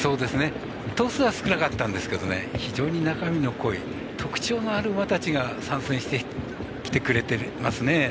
頭数は少なかったんですけど非常に中身の濃い特徴のある馬たちが参戦してきてくれていますね。